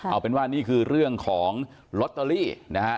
เอาเป็นว่านี่คือเรื่องของลอตเตอรี่นะฮะ